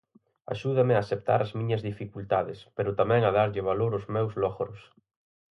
Axúdame a aceptar as miñas dificultades, pero tamén a darlle valor aos meus logros.